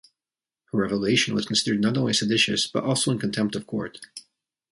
Her revelation was considered not only seditious, but also in contempt of court.